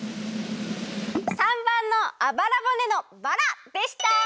③ばんのあばらぼねのバラでした！